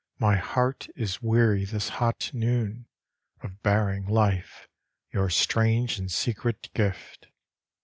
my heart is weary this hot noon Of bearing life, your strange and secret gift.